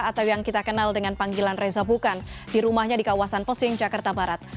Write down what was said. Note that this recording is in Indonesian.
atau yang kita kenal dengan panggilan reza bukan di rumahnya di kawasan pesing jakarta barat